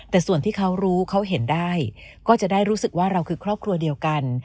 แต่ส่วนที่เขารู้เขาเห็นได้ก็จะได้รู้สึกว่าเราคือครอบครัวเดียวกัน